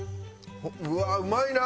うわーうまいな！